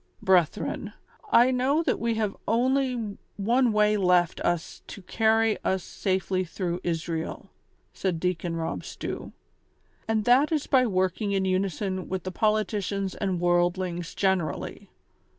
" Brethren, I know that we have only one Avay left us to carry us safely through Israel," said Deacon Rob Stew; "and that is by working in unison with the politicians and worldlings generally.